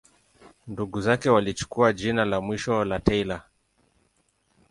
Ndugu zake walichukua jina la mwisho la Taylor.